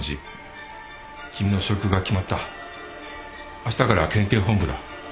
あしたから県警本部だ。